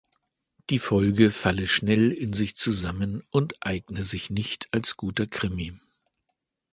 Die Folge falle schnell in sich zusammen und eigne sich nicht als guter Krimi.